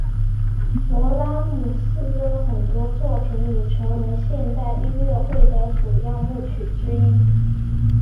勃拉姆斯的很多作品已成为现代音乐会的主要曲目之一。